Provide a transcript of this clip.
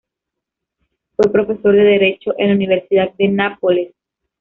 Fue profesor de Derecho en la Universidad de Nápoles.